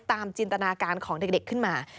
จินตนาการของเด็กขึ้นมา